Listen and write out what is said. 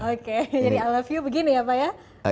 oke jadi i love you begini ya pak ya